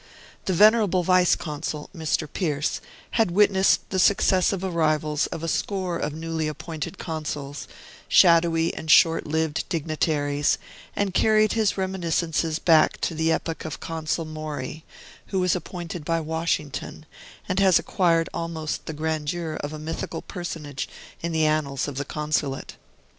The venerable Vice Consul, Mr. Pearce, had witnessed the successive arrivals of a score of newly appointed Consuls, shadowy and short lived dignitaries, and carried his reminiscences back to the epoch of Consul Maury, who was appointed by Washington, and has acquired almost the grandeur of a mythical personage in the annals of the Consulate.